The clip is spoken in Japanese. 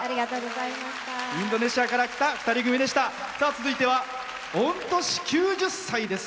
続いては御年９０歳です。